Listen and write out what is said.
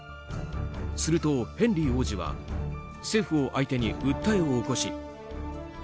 するとヘンリー王子は政府を相手に訴えを起こし